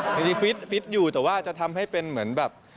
บางทีฟิตอยู่แต่ว่าจะทำให้เป็นเหมือนแบบ